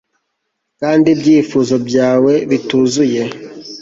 kandi ibyifuzo byawe bituzuye